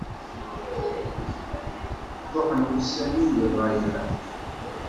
Ruḥen wussan-iw di rrayeε.